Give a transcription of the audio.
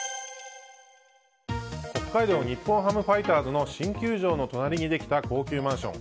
北海道日本ハムファイターズの新球場の隣にできた高級マンション。